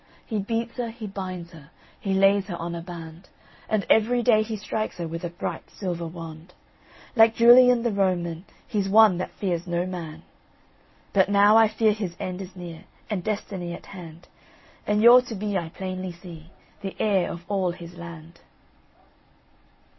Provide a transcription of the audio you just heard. "He beats her, he binds her, He lays her on a band; And every day he strikes her With a bright silver wand. Like Julian the Roman, He's one that fears no man. "But now I fear his end is near, And destiny at hand; And you're to be, I plainly see, The heir of all his land."